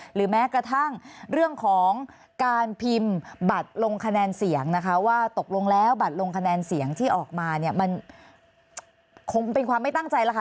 หรือแม้กระทั่งเรื่องของการพิมพ์บัตรลงคะแนนเสียงนะคะว่าตกลงแล้วบัตรลงคะแนนเสียงที่ออกมาเนี่ยมันคงเป็นความไม่ตั้งใจแล้วค่ะ